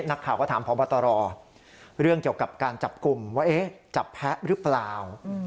นักข่าวก็ถามพบตรเรื่องเกี่ยวกับการจับกลุ่มว่าจับแพ้หรือเปล่า